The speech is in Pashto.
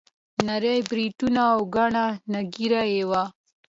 نري بریتونه او ګڼه نه ږیره یې وه.